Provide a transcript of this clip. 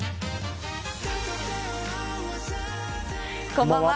こんばんは。